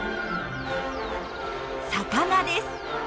魚です。